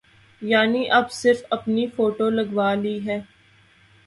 یعنی اب صرف اپنی فوٹو لگوا لی ہے۔